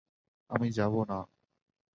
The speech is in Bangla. আমি যাব না।